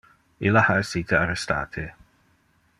Illa ha essite arrestate.